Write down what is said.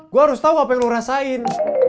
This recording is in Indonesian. gue harus tau apa yang lo rasain